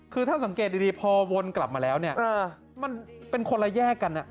คือถ้าสังเกตดีพอวนกลับมาแล้วเนี่ยมันเป็นคนละแยกกัน